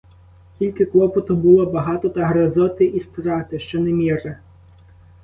Тільки клопоту було багато та гризоти і страти, що не міра.